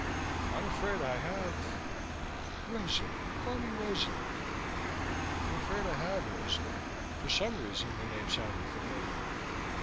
"I'm afraid I have " "Rosalie. Call me Rosalie, dear." "I'm afraid I have, Rosalie." For some reason the name sounded familiar.